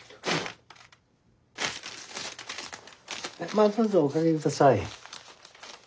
まっどうぞお掛け下さい。